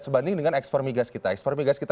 sebanding dengan ekspor migas kita ekspor migas kita